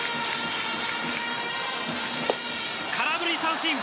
空振り三振。